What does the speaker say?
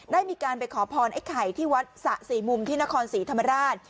ได้มีการไปขอพรไอ้ไข่ที่วัดสะสี่มุมที่นครศรีธรรมราช